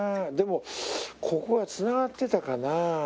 でもここが繋がってたかな？